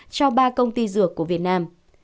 cho ba công ty dược của việt nam